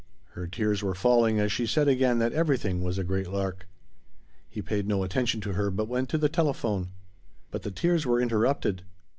Her tears were falling as she said again that everything was a great lark. He paid no attention to her but went to the telephone. But the tears were interrupted.